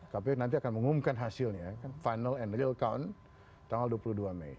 kpu nanti akan mengumumkan hasilnya final and real count tanggal dua puluh dua mei